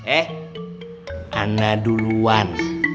eh ana duluan